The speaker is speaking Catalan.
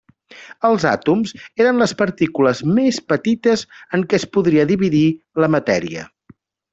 Els àtoms eren les partícules més petites en què es podria dividir la matèria.